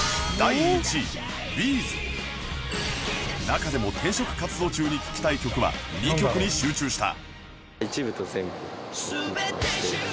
中でも転職活動中に聴きたい曲は２曲に集中した